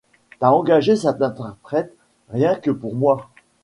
T’as engagé cette interprète rien que pour moi ?